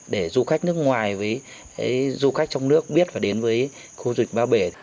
để du khách nước ngoài với du khách trong nước biết và đến với khu du lịch ba bể